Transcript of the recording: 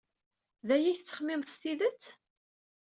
D aya ay tettxemmimed s tidet?